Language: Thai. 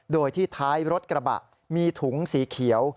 โดยที่ท้ายรถกระบะมีถุงสีเขียว